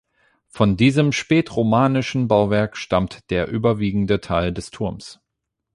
Von diesem spätromanischen Bauwerk stammt der überwiegende Teil des Turms.